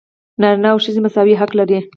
نارینه او ښځې مساوي حق لري.